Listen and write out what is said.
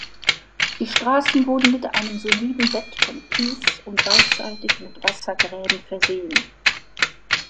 Die Strassen wurden mit einem soliden Bett von Kies und beidseitig mit Wassergräben versehen.